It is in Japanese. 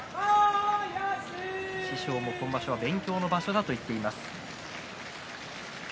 師匠も今場所は勉強の場所だと言っています。